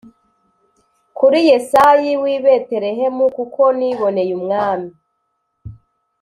kuri Yesayi w i Betelehemu kuko niboneye umwami